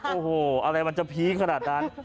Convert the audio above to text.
โอ้โหอะไรมันจะพีคขนาดนั้น